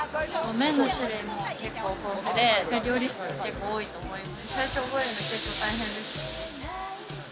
麺の種類も豊富で料理数も多いと思います。